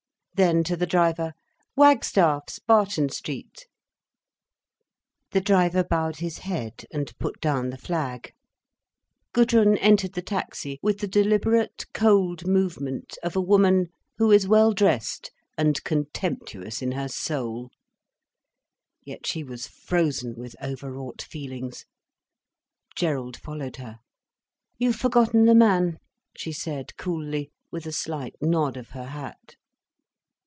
Then to the driver, "Wagstaff's—Barton Street." The driver bowed his head, and put down the flag. Gudrun entered the taxi, with the deliberate cold movement of a woman who is well dressed and contemptuous in her soul. Yet she was frozen with overwrought feelings. Gerald followed her. "You've forgotten the man," she said cooly, with a slight nod of her hat.